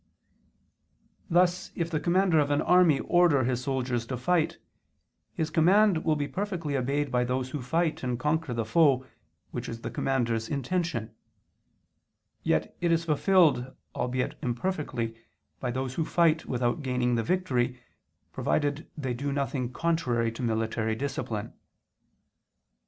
Thus if the commander of an army order his soldiers to fight, his command will be perfectly obeyed by those who fight and conquer the foe, which is the commander's intention; yet it is fulfilled, albeit imperfectly, by those who fight without gaining the victory, provided they do nothing contrary to military discipline.